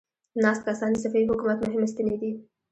ناست کسان د صفوي حکومت مهمې ستنې دي.